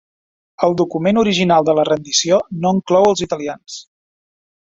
El document original de la rendició no inclou els italians.